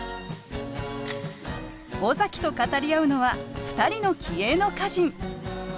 尾崎と語り合うのは２人の気鋭の歌人。